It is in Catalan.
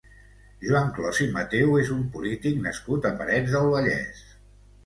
Joan Clos i Matheu és un polític nascut a Parets del Vallès.